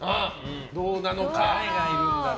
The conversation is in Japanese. どうなのか。